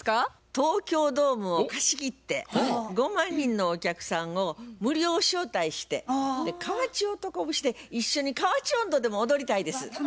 東京ドームを貸し切って５万人のお客さんを無料招待して「河内おとこ節」で一緒に「河内音頭」でも踊りたいです。